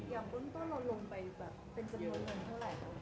อย่างเวิ่งต้นเราลงไปเป็นจำนวนเงินเท่าไหร่